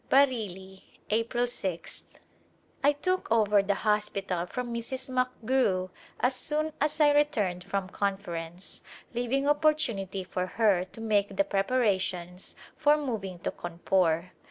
Bareilly^ April 6th. I took over the hospital from Mrs. McGrew as soon as I returned from Conference, leaving opportunity for her to make the preparations for moving to Cawnpore.